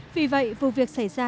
vì vậy vụ việc xảy ra